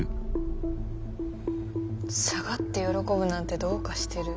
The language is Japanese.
下がって喜ぶなんてどうかしてる。